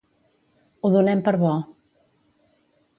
Ho donem per bo.